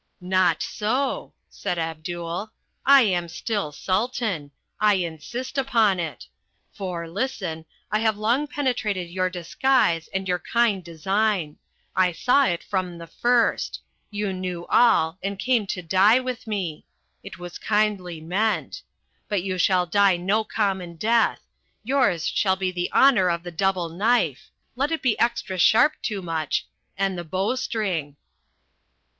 "Not so," said Abdul. "I am still Sultan. I insist upon it. For, listen, I have long penetrated your disguise and your kind design. I saw it from the first. You knew all and came to die with me. It was kindly meant. But you shall die no common death; yours shall be the honour of the double knife let it be extra sharp, Toomuch and the bowstring."